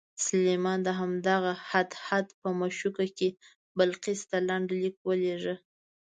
سلیمان د همدغه هدهد په مښوکه کې بلقیس ته لنډ لیک ولېږه.